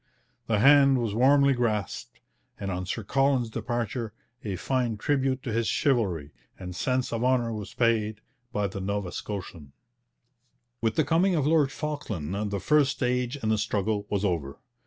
The hand was warmly grasped, and on Sir Colin's departure a fine tribute to his chivalry and sense of honour was paid by the Nova Scotian. With the coming of Lord Falkland the first stage in the struggle was over.